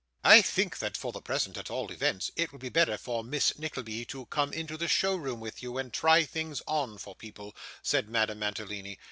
'I think that, for the present at all events, it will be better for Miss Nickleby to come into the show room with you, and try things on for people,' said Madame Mantalini.